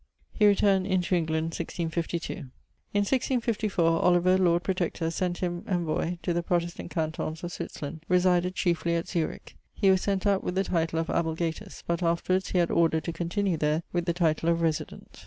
He returned into England, 1652. In 1654 Oliver, Lord Protector, sent him envoyé to the Protestant cantons of Switzerland; resided chiefly at Zurich. He was sent out with the title of ablegatus, but afterwards he had order to continue there with the title of Resident.